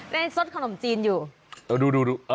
นี่ส้นขนมจีนอยู่เอาดูเอ่อดูเอ่อ